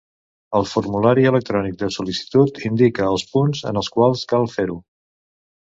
El formulari electrònic de sol·licitud indica els punts en els quals cal fer-ho.